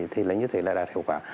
thì lấy như thế là đạt hiệu quả